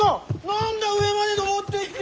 何だ上まで登ってきて。